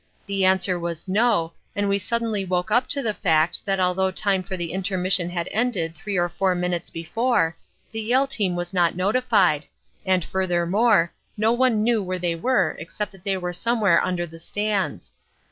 The answer was 'No,' and we suddenly woke up to the fact that although time for the intermission had ended three or four minutes before, the Yale team was not notified, and furthermore, no one knew where they were except that they were somewhere under the stands.